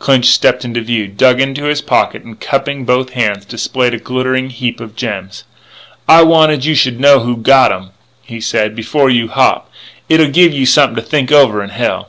Clinch stepped into view, dug into his pocket, and, cupping both hands, displayed a glittering heap of gems. "I wanted you should know who's gottem," he said, "before you hop. It'll give you something to think over in hell."